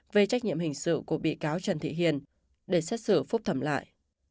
về trách nhiệm hình sự của bị cáo trần thị hiền để xét xử phúc thẩm lại